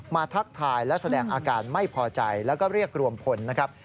ทักทายและแสดงอาการไม่พอใจแล้วก็เรียกรวมพลนะครับ